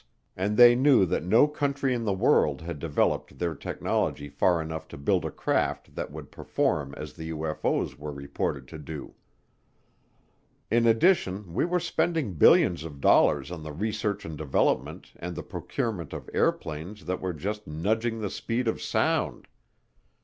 and they knew that no country in the world had developed their technology far enough to build a craft that would perform as the UFO's were reported to do. In addition, we were spending billions of dollars on the research and development and the procurement of airplanes that were just nudging the speed of sound.